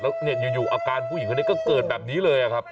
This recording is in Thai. แล้วเนี่ยอยู่อาการผู้หญิงเขาเนี่ยก็เกิดแบบนี้เลยอะครับ